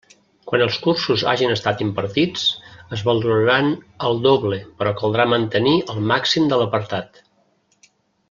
Quan els cursos hagen estat impartits, es valoraran el doble, però caldrà mantenir el màxim de l'apartat.